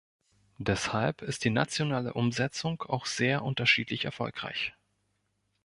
Deshalb ist die nationale Umsetzung auch sehr unterschiedlich erfolgreich.